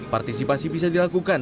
partisipasi bisa dilakukan